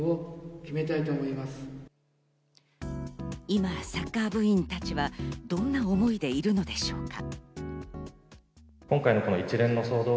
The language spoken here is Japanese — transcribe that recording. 今、サッカー部員たちはどんな思いでいるのでしょうか？